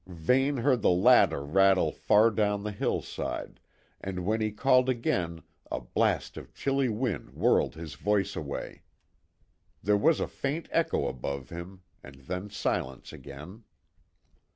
Vane heard the latter rattle far down the hillside, and when he called again a blast of chilly wind whirled his voice away. There was a faint echo above him, and then silence again.